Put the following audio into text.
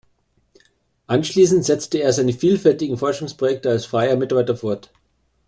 Anschließend setzte er seine vielfältigen Forschungsprojekte als freier Mitarbeiter fort.